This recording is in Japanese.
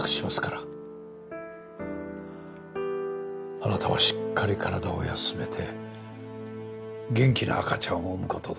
あなたはしっかり体を休めて元気な赤ちゃんを産む事だ。